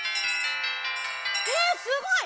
えすごい！